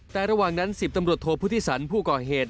แต่ระหว่างนั้น๑๐ตำรวจโทพุทธิสันผู้ก่อเหตุ